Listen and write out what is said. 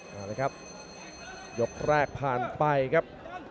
เข้าไปครับยกแรกผ่านไปครับ